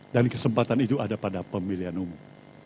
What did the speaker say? dan kesempatan itu ada pada pemilihan umum